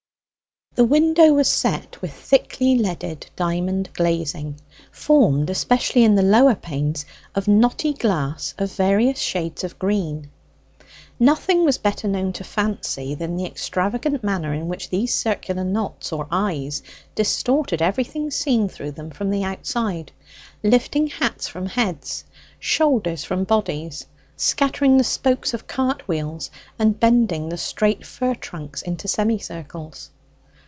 The window was set with thickly leaded diamond glazing, formed, especially in the lower panes, of knotty glass of various shades of green. Nothing was better known to Fancy than the extravagant manner in which these circular knots or eyes distorted everything seen through them from the outside lifting hats from heads, shoulders from bodies; scattering the spokes of cart wheels, and bending the straight fir trunks into semicircles.